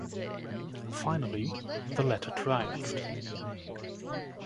Finally, the latter triumphed.